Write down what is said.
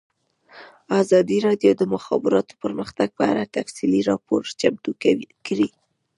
ازادي راډیو د د مخابراتو پرمختګ په اړه تفصیلي راپور چمتو کړی.